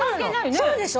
そうでしょ！？